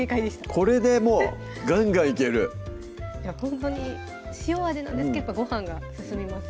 これでもうガンガンいけるほんとに塩味なんですけどごはんが進みます